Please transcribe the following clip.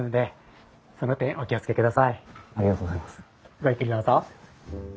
ごゆっくりどうぞ。